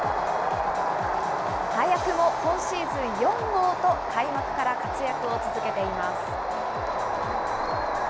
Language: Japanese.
早くも今シーズン４号と、開幕から活躍を続けています。